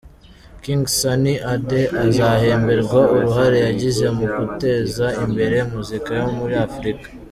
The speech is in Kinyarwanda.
King Sunny Ade, azahemberwa uruhare yagize mu guteza imbere muzika yo muri Africa.